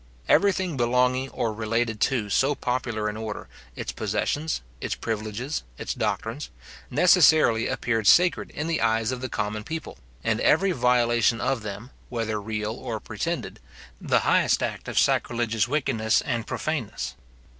Everything belonging or related to so popular an order, its possessions, its privileges, its doctrines, necessarily appeared sacred in the eyes of the common people; and every violation of them, whether real or pretended, the highest act of sacrilegious wickedness and profaneness.